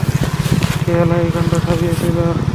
সে এলাহি কান্ড সাজিয়েছিল।